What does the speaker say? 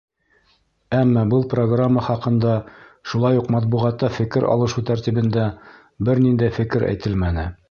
Әммә был программа хаҡында шулай уҡ матбуғатта фекер алышыу тәртибендә бер ниндәй фекер әйтелмәне.